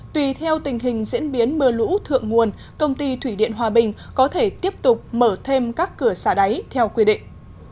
tùy theo tình hình diễn biến mưa lũ thượng nguồn công ty thủy điện hòa bình có thể tiếp tục mở thêm các cửa xả đáy theo quy định